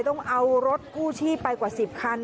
ต้องเอารถกู้ชีพไปกว่า๑๐คัน